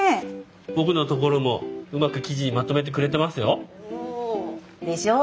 僕のところもうまく記事にまとめてくれてますよ。でしょう？